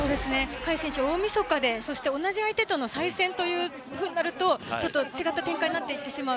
海選手、大みそかでそして同じ相手との再戦となると違った展開になっていってしまう。